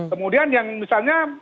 kemudian yang misalnya